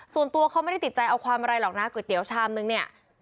ส่วนตัวเขาไม่ได้ติดใจเอาความอะไรหรอกนะก๋วยเตี๋ยวชามนึงเนี่ย